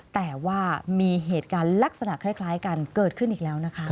แต่ว่ามีเหตุการณ์ลักษณะคล้ายกันเกิดขึ้นอีกแล้วนะคะ